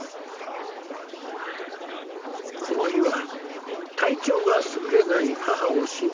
この日は体調が優れない母を心配しての面会。